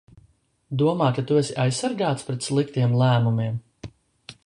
Domā, ka tu esi aizsargāts pret sliktiem lēmumiem?